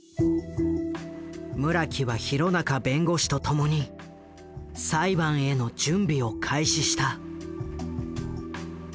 村木は弘中弁護士とともに裁判への準備を開始した。